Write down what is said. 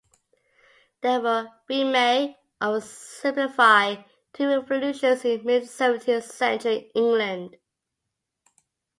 There were, we may oversimplify, two revolutions in mid-seventeenth century England.